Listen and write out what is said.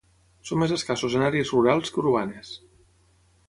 Són més escassos en àrees rurals que urbanes.